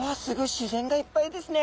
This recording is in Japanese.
自然がいっぱいですね。